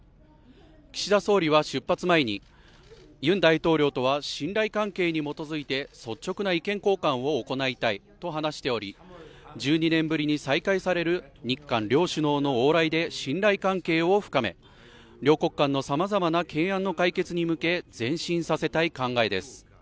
岸田総理は出発前に、ユン大統領とは信頼関係に基づいて率直な意見交換を行いたいと話しており１２年ぶりに再開される日韓両首脳の往来で信頼関係を深め、両国関係のさまざまな懸案の解決に向け前進させたい考えです。